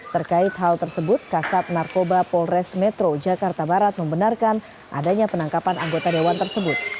terkait hal tersebut kasat narkoba polres metro jakarta barat membenarkan adanya penangkapan anggota dewan tersebut